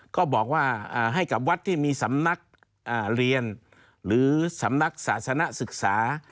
ก็บอกว่าให้กับวัดที่มีสำนักเรียนหรือสำนักศาสนศึกษา